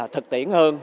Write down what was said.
thực tiễn hơn